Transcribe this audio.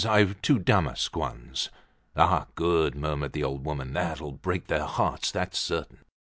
I've two damask ones." "Ah, good!" murmured the old woman; "that'll break their hearts, that's certain."